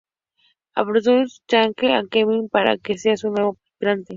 Ambrosius chantajea a Kevin para que sea su nuevo aspirante.